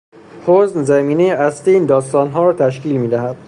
حزن زمینهی اصلی این داستانها را تشکیل میدهد.